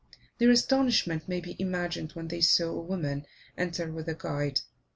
Their astonishment may be imagined when they saw a woman enter with a guide.